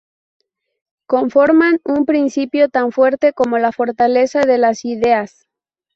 conforman un principio tan fuerte como la fortaleza de las ideas